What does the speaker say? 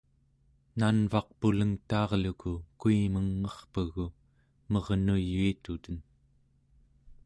nanvaq pulengtaarluku kuimeng'erpegu mernuyuituten